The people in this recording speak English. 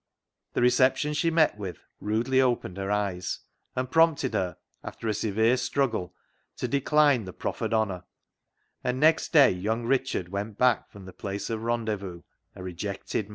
The reception she met with rudely opened her eyes, and prompted her, after a severe struggle, to decline the proffered honour ; and next day young Richard went back from the place of rendezvous a rejected man.